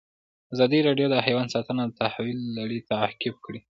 ازادي راډیو د حیوان ساتنه د تحول لړۍ تعقیب کړې.